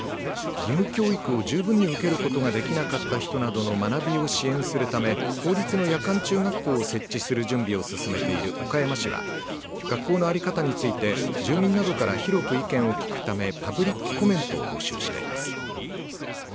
義務教育を十分に受けることができなかった人などの学びを支援するため公立の夜間中学校を設置する準備を進めている岡山市は学校の在り方について住民などから広く意見を聞くためパブリックコメントを募集しています。